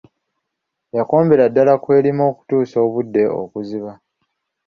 Yakombera ddala kw'erima okutuusa obudde okuziba.